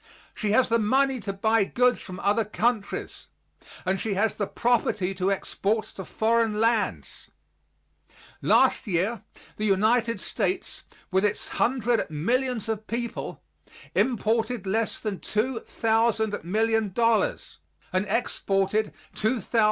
She has the money to buy goods from other countries, and she has the property to export to foreign lands. Last year the United States, with its hundred millions of people, imported less than $2,000,000,000, and exported $2,500,000,000.